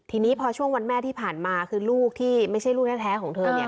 ทีนี้พอช่วงวันแม่ที่ผ่านมาคือลูกที่ไม่ใช่ลูกแท้ของเธอเนี่ย